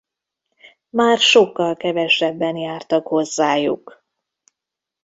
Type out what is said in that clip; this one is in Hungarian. Már sokkal kevesebben jártak hozzájuk.